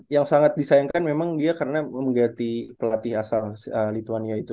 yang sangat disayangkan memang dia karena mengganti pelatih asal lituania itu